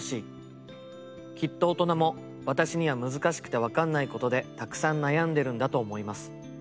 きっと大人も私には難しくて分かんないことで沢山悩んでるんだと思います。